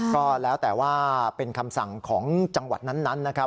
ก็แล้วแต่ว่าเป็นคำสั่งของจังหวัดนั้นนะครับ